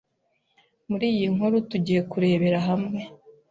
Muri iyi nkuru tugiye kurebera hamwe